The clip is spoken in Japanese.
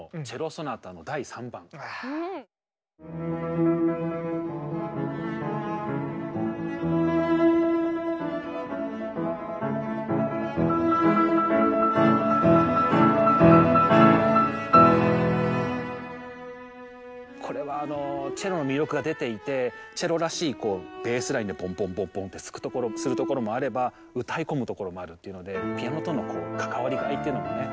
はい１つ目がこれはあのチェロの魅力が出ていてチェロらしいベースラインでポンポンポンポンってするところもあれば歌い込むところもあるっていうのでピアノとの関わりがっていうのもね。